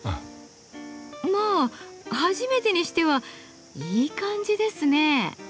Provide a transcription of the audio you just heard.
まあ初めてにしてはいい感じですね。